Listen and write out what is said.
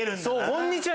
こんにちは！